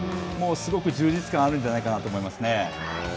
すごく充実感あるじゃないかなと思いますね。